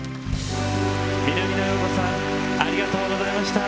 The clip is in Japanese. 南野陽子さんありがとうございました。